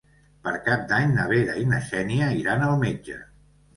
Per Cap d'Any na Vera i na Xènia iran al metge.